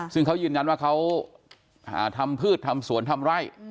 ซึ่งเขายืนยันว่าเขาทำพืชทำสวนทำไร่